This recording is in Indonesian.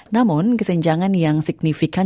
namun kesenjangan yang signifikan